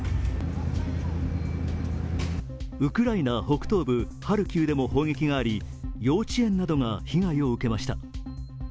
ウクライナ北東部ハルキウでも砲撃があり幼稚園などが被害を受けました。